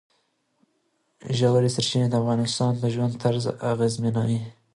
ژورې سرچینې د افغانانو د ژوند طرز اغېزمنوي.